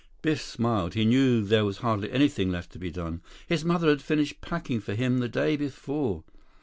Biff smiled. He knew there was hardly anything left to be done. His mother had finished packing for him the day before.